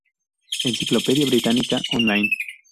Encyclopædia Britannica Online.